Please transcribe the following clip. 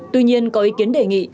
tuy nhiên có ý kiến đề nghị